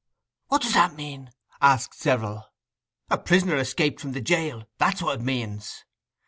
'What does that mean?' asked several. 'A prisoner escaped from the jail—that's what it means.